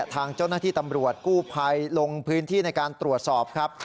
ทางเจ้าหน้าที่ตำรวจกู้ภัยลงพื้นที่ในการตรวจสอบครับ